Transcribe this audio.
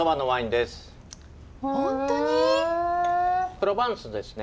プロヴァンスですね。